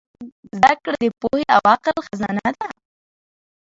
زدهکړه د پوهې او عقل خزانه ده.